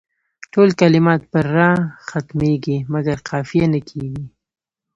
ټول کلمات پر راء ختمیږي مګر قافیه نه کیږي.